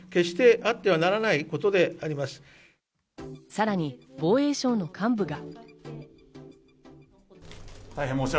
さらに防衛省の幹部が。